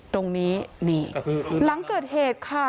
ตรงนี้นี่หลังเกิดเหตุค่ะ